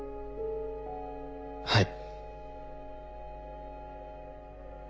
はい。